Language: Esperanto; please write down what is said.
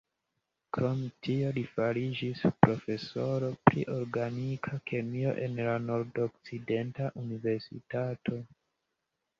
Krom tio li fariĝis profesoro pri organika kemio en la Nordokcidenta Universitato.